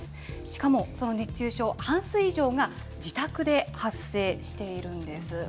しかもその熱中症、半数以上が自宅で発生しているんです。